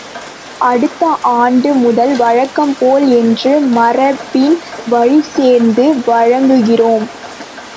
அடுத்த ஆண்டு முதல் வழக்கம்போல் என்று மரபின் வழிச்சேர்த்து வழங்குகிறோம்.